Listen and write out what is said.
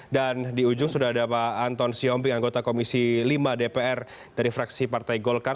dan di ujung sudah ada pak anton sionping anggota komisi lima dpr dari fraksi partai golkar